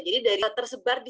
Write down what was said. kami dalam " one hiv party"